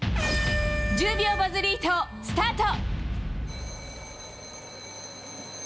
１０秒バズリート、スタート。